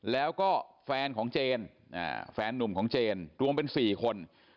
แล้วก็แฟนของเจนแฟนนุ่มของเจนรวมเป็น๔คน